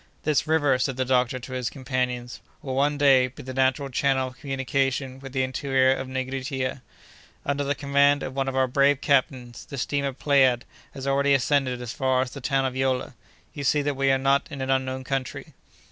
"This river," said the doctor to his companions, "will, one day, be the natural channel of communication with the interior of Nigritia. Under the command of one of our brave captains, the steamer Pleiad has already ascended as far as the town of Yola. You see that we are not in an unknown country."